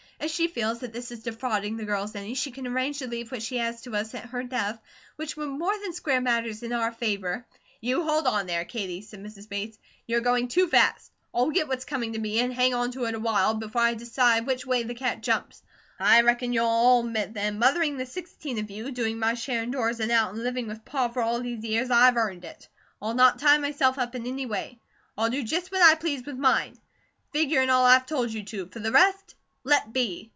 If she feels that this is defrauding the girls any, she can arrange to leave what she has to us at her death, which would more than square matters in our favour " "You hold on there, Katie," said Mrs. Bates. "You're going too fast! I'll get what's coming to me, and hang on to it awhile, before I decide which way the cat jumps. I reckon you'll all admit that in mothering the sixteen of you, doing my share indoors and out, and living with PA for all these years, I've earned it. I'll not tie myself up in any way. I'll do just what I please with mine. Figure in all I've told you to; for the rest let be!"